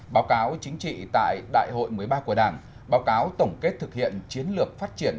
báo cáo chính trị tại đại hội một mươi ba của đảng báo cáo tổng kết thực hiện chiến lược phát triển